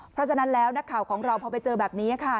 เพราะฉะนั้นแล้วนักข่าวของเราพอไปเจอแบบนี้ค่ะ